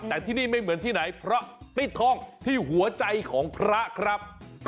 แต่ที่นี่ไม่เหมือนที่ไหนเพราะติดท่องที่หัวใจของพระครับ